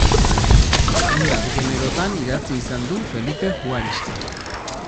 Hainbat generotan idatzi izan du Felipe Juaristik.